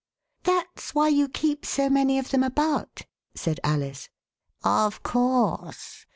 "That's why you keep so many of them about," said Alice. *' Of course.